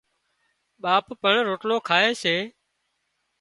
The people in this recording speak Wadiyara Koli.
ٻاپ پڻ روٽلو کائي سي